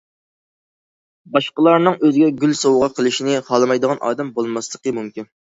باشقىلارنىڭ ئۆزىگە گۈل سوۋغا قىلىشىنى خالىمايدىغان ئادەم بولماسلىقى مۇمكىن.